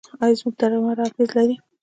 آیا زموږ درمل اغیز لري؟